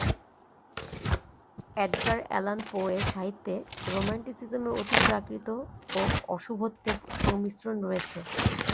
Edgar Allan পো-এর সাহিত্যে রোমান্টিসিজমের অতিপ্রাকৃত ও অশুভত্ত্বের সংমিশ্রণ রয়েছে।